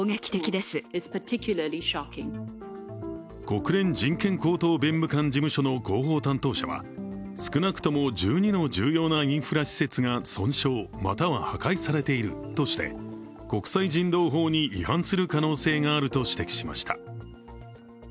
国連人権高等弁務官事務所の広報担当者は少なくとも１２の重要なインフラ施設が損傷または破壊されているとして、国際人道法に違反する可能性があると指摘しました。